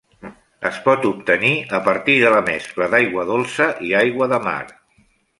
Es pot obtenir a partir de la mescla d'aigua dolça i aigua de mar.